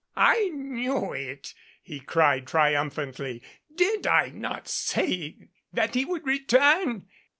"I knew it," he cried triumphantly. "Did I not say that he would return?"